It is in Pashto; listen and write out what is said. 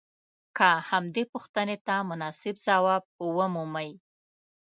که همدې پوښتنې ته مناسب ځواب ومومئ.